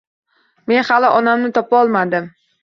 Men hali onamni topolmadim